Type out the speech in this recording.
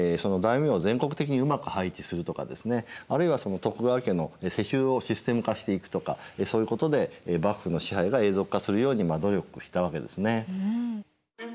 大名を全国的にうまく配置するとかですねあるいは徳川家の世襲をシステム化していくとかそういうことで幕府の支配が永続化するように努力したわけですね。